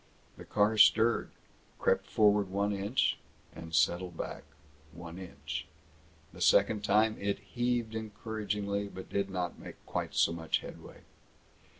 The car stirred, crept forward one inch, and settled back one inch. The second time it heaved encouragingly but did not make quite so much headway.